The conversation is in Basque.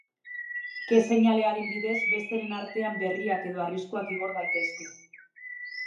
Ke-seinalearen bidez, besteren artean berriak edo arriskuak igor daitezke.